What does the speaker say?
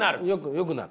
よくなる。